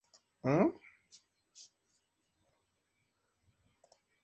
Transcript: Su nombre específico hace referencia al mar Adriático.